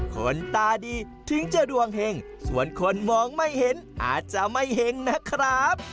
คนตาดีถึงจะดวงเห็งส่วนคนมองไม่เห็นอาจจะไม่เห็งนะครับ